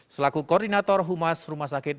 selaku koordinator humas rumah sakit